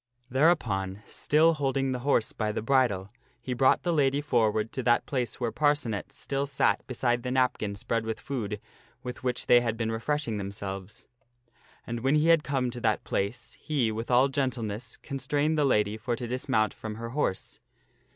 Thereupon, still holding the horse by the bridle, he brought the lady forward to that place where Parcenet still sat beside the napkin spread with food with which they had been refreshing themselves. And when he had come to that place, he, with all gentleness, constrained the lady for to dismount from her horse.